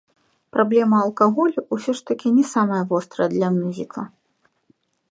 Праблема алкаголю ўсё ж такі не самая вострая для мюзікла.